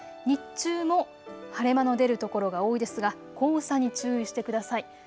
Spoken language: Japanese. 日中も晴れ間の出る所が多いですが黄砂に注意してください。